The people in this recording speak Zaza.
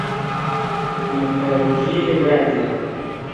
Mi perojîye werde